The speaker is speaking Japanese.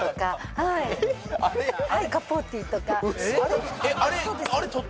はい「カポーティ」とかえっ？